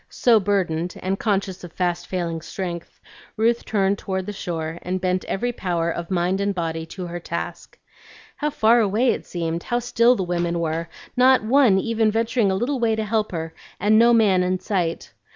So burdened, and conscious of fast failing strength, Ruth turned toward the shore, and bent every power of mind and body to her task. How far away it seemed! how still the women were, not one even venturing out a little way to help her, and no man in sight!